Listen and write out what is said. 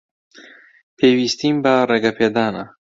پێویستیم بە ڕێگەپێدانە.